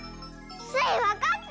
スイわかった！